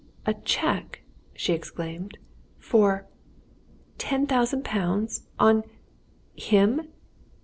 "A cheque!" she exclaimed. "For ten thousand pounds. On him?